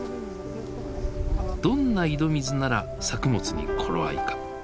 どんな井戸水なら作物に頃合いか。